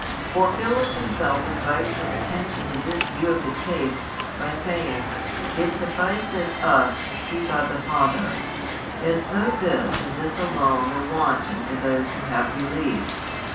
For Philip himself invites our attention to this view of ths case, by saying, "It sufficeth us to see God the Father," as though this and this alone were wanting to those who have believed.